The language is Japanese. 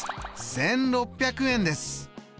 １６００円です。